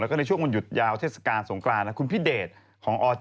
แล้วก็ในช่วงวันหยุดยาวเทศกาลสงกรานคุณพิเดชของอจ